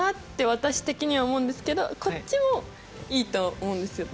私的には思うんですけどこっちもいいと思うんですよ。